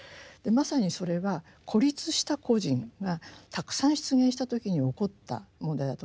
まさにそれは孤立した個人がたくさん出現した時に起こった問題だと思います。